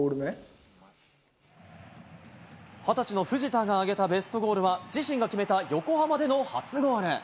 ２０歳の藤田が挙げたベストゴールは、自身が決めた横浜での初ゴール。